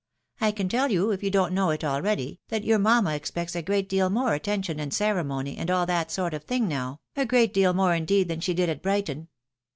I can teU you, if you don't know it already, that your mamma expects a great deal more attention and ceremony, and all that sort of thing now, a great deal more indeed than she did at FINESSE IN LOTE. 257 Brighton.